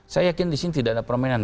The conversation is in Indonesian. saya yakin disini tidak ada permainan